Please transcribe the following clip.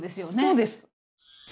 そうです。